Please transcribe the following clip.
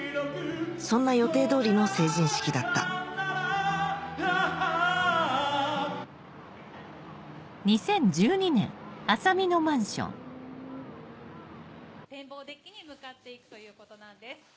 そんな予定通りの成人式だった天望デッキに向かっていくということなんです。